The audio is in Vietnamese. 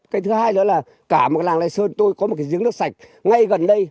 cái thứ hai nữa là cả một làng lê sơn tôi có một cái giếng nước sạch ngay gần đây